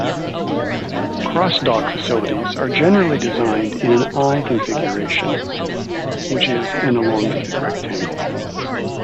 Cross-dock facilities are generally designed in an "I" configuration, which is an elongated rectangle.